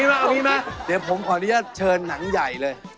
เอางี้มาเดี๋ยวผมขออนุญาตเชิญหนังใหญ่เลย